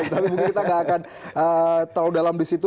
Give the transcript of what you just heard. tapi mungkin kita tidak akan terlalu dalam di situ